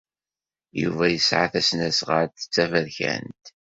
Yuba yesɛa tasnasɣalt d taberkant.